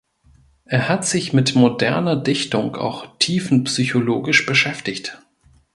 Er hat sich mit moderner Dichtung auch tiefenpsychologisch beschäftigt.